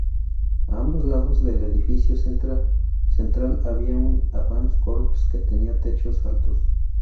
A ambos lados del edificio central había un "Avant-corps" que tenía techos altos.